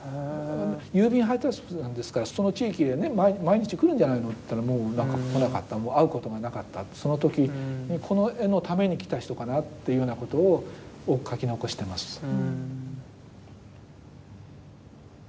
郵便配達夫さんですからその地域へ毎日来るんじゃないのといったらもう来なかったもう会うこともなかったその時この絵のために来た人かなっていうようなことを書き残してます。